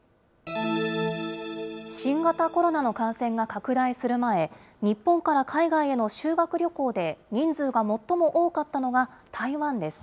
新型コロナの感染が拡大する前、日本から海外への修学旅行で人数が最も多かったのが台湾です。